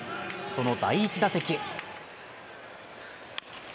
その第１打席。